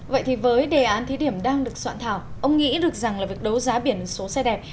vậy thì với đề án thí điểm đang được soạn thảo ông nghĩ được rằng là việc đấu giá biển số xe đẹp